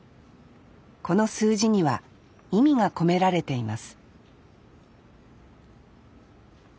この数字には意味が込められています